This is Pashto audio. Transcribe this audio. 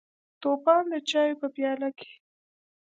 توپان د چایو په پیاله کې: